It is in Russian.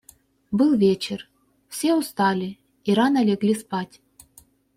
Был вечер; все устали и рано легли спать.